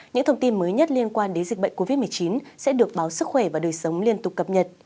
những thông tin mới nhất liên quan đến dịch bệnh covid một mươi chín sẽ được báo sức khỏe và đời sống liên tục cập nhật